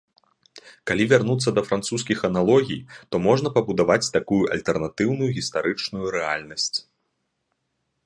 Калі вярнуцца да французскіх аналогій, то можна пабудаваць такую альтэрнатыўную гістарычную рэальнасць.